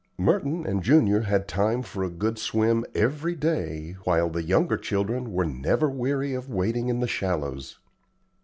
Merton and Junior had time for a good swim every day, while the younger children were never weary of wading in the shallows.